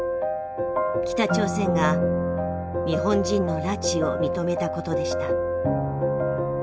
北朝鮮が日本人の拉致を認めたことでした。